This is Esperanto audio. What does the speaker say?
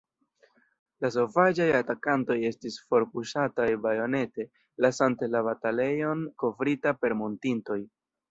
La sovaĝaj atakantoj estis forpuŝataj bajonete, lasante la batalejon kovrita per mortintoj.